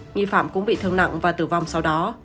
nghi phạm cũng bị thương nặng và tử vong sau đó